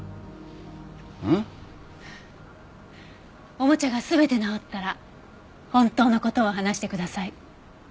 おもちゃが全て直ったら本当の事を話してください。